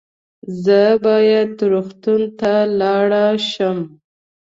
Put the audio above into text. زه باید روغتون ته ولاړ شم